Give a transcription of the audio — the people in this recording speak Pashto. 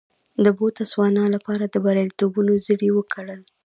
د بوتسوانا لپاره د بریالیتوبونو زړي وکرل.